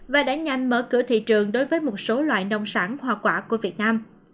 và đã nhanh mở cửa thị trường đối với một số loại nông sản hoa quả của việt nam